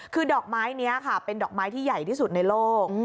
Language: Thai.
คือดอกไม้นี้ค่ะเป็นดอกไม้ที่ใหญ่ที่สุดในโลก